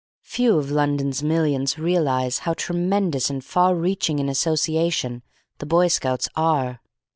Few of London's millions realise how tremendous and far reaching an association the Boy Scouts are.